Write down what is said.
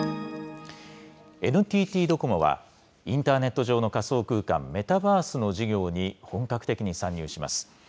ＮＴＴドコモはインターネット上の仮想空間、メタバースの事業に本格的に参入します。